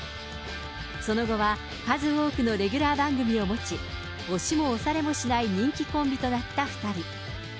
その後は数多くのレギュラー番組を持ち、押しも押されもしない人気コンビとなった２人。